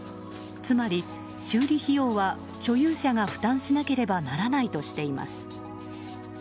つまり、修理費用は所有者が負担しなければならないとしています。